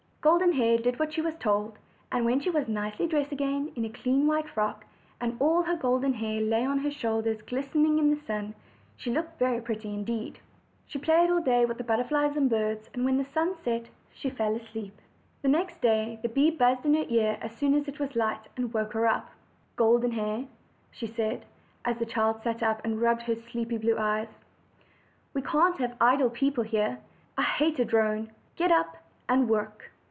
And Golden Hair did as she was told; and when she was nicely dressed again in a clean white frock, and all her golden hair lay on her shoulders glistening in the sun, she looked very pretty indeed. And she played all day with the butterflies and birds, and when the sun set she fell asleep. 222 OLD, OLD FAIRY TALES. The next day the bee buzzed in her ear as soon as it was light, and woke her up. ''Golden Hair," she said, as the child sat up and rubbed her sleepy blue eyes, ''we can't have idle people here. I hate a drone: get up and work."